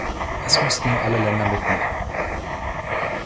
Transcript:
Es müssten nur alle Länder mitmachen.